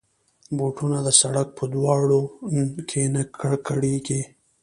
بوټونه د سړک په دوړو کې نه ککړېږي.